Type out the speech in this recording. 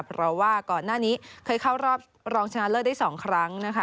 เพราะว่าก่อนหน้านี้เคยเข้ารอบรองชนะเลิศได้๒ครั้งนะคะ